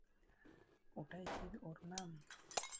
ওটাই কি ওর নাম?